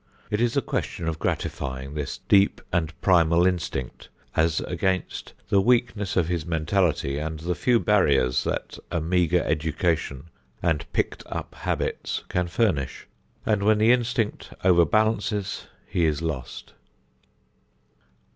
It is a question of gratifying this deep and primal instinct as against the weakness of his mentality and the few barriers that a meagre education and picked up habits can furnish; and when the instinct overbalances he is lost.